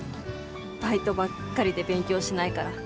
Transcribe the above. バイトばっかりで勉強しないから。